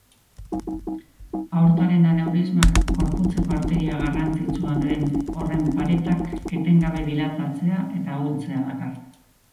Aortaren aneurismak gorputzeko arteria garrantzitsuena den horren paretak etengabe dilatatzea eta ahultzea dakar.